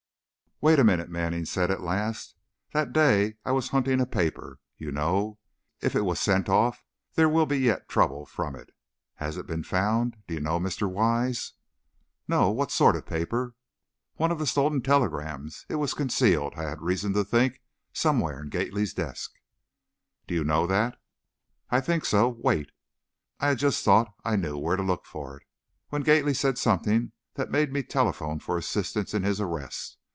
"Wait a minute," Manning said, at last, "that day, I was hunting a paper, you know. If it was sent off, there will yet be trouble from it. Has it been found, do you know, Mr. Wise?" "No; what sort of a paper?" "One of the stolen telegrams. It was concealed, I had reason to think, somewhere in Gately's desk " "Do you know that?" "I think so wait, I had just thought I knew where to look for it, when Gately said something that made me telephone for assistance in his arrest.